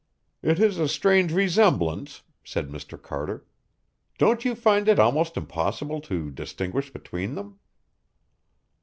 "It is a strange resemblance," said Mr. Carter. "Don't you find it almost impossible to distinguish between them?"